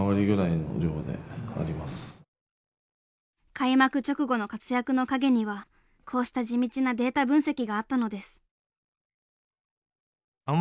開幕直後の活躍の陰にはこうした地道なデータ分析があったのです。